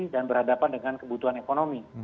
dan berhadapan dengan kebutuhan ekonomi